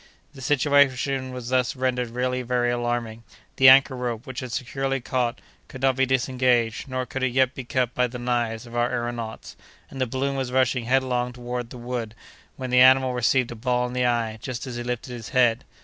The situation was thus rendered really very alarming; the anchor rope, which had securely caught, could not be disengaged, nor could it yet be cut by the knives of our aëronauts, and the balloon was rushing headlong toward the wood, when the animal received a ball in the eye just as he lifted his head.